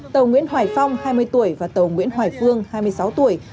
tàu nguyễn hoài phong hai mươi tuổi và tàu nguyễn hoài phương hai mươi sáu tuổi